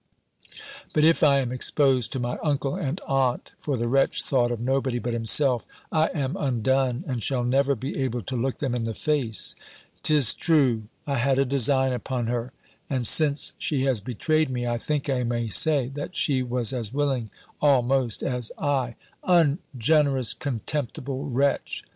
But if I am exposed to my uncle and aunt" (for the wretch thought of nobody but himself), "I am undone, and shall never be able to look them in the face. 'Tis true, I had a design upon her; and since she has betrayed me, I think I may say, that she was as willing, almost, as I." "Ungenerous, contemptible wretch!"